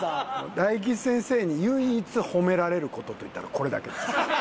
大吉先生に唯一褒められる事といったらこれだけです。